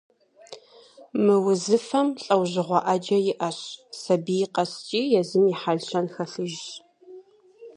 Мы узыфэм лӀэужьыгъуэ Ӏэджэ иӀэщ, сабий къэскӀи езым и хьэл-щэн хэлъыжщ.